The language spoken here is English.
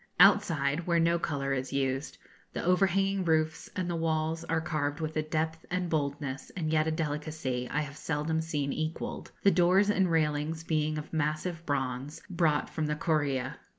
Outside, where no colour is used, the overhanging roofs and the walls are carved with a depth and boldness, and yet a delicacy, I have seldom seen equalled; the doors and railings being of massive bronze, brought from the Corea.